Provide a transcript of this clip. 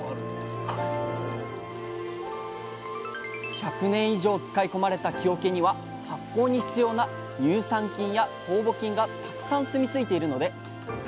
１００年以上使い込まれた木桶には発酵に必要な乳酸菌や酵母菌がたくさん住みついているので蔵